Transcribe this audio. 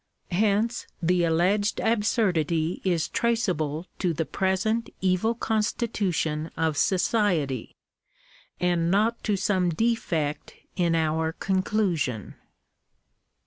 Hence the alleged absurdity is traceable to the present evil constitution of society, and not to some defect in our conclusion.